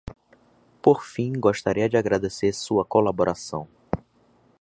Por fim, gostaria de agradecer sua colaboração.